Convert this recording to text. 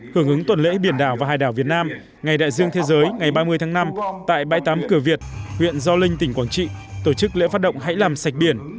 hưởng ứng tuần lễ biển đảo và hải đảo việt nam ngày đại dương thế giới ngày ba mươi tháng năm tại bãi tắm cửa việt huyện gio linh tỉnh quảng trị tổ chức lễ phát động hãy làm sạch biển